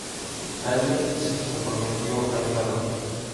Kyle se comprometió a ayudarla.